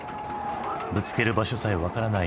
ぶつける場所さえ分からない